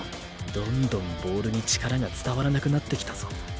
どんどんボールに力が伝わらなくなってきたぞ